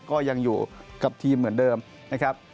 ก็ยังอยู่กับทีมเหมือนเดิมนะครับ